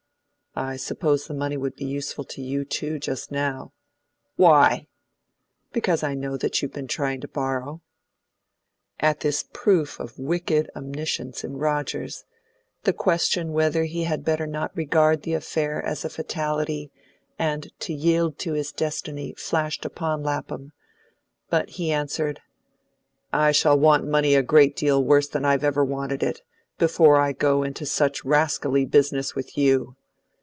"I suppose the money would be useful to you too, just now." "Why?" "Because I know that you have been trying to borrow." At this proof of wicked omniscience in Rogers, the question whether he had better not regard the affair as a fatality, and yield to his destiny, flashed upon Lapham; but he answered, "I shall want money a great deal worse than I've ever wanted it yet, before I go into such rascally business with you.